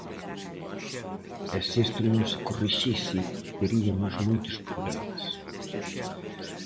E se isto non se corrixise, teriamos moitos problemas.